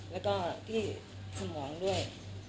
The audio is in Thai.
แล้วก็ที่สมองด้วย